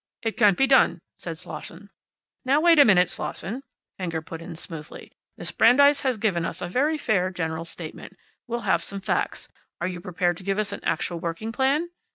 "It can't be done," said Slosson. "Now, wait a minute, Slosson," Fenger put in, smoothly. "Miss Brandeis has given us a very fair general statement. We'll have some facts. Are you prepared to give us an actual working plan?"